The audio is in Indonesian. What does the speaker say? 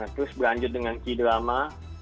terus berlanjut dengan k drama